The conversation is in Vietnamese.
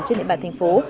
trên địa bàn thành phố